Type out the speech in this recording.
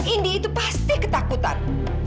indi itu pasti ketakutan